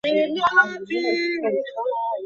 এখানে কেবল সমুদ্র পথেই আসা যায়।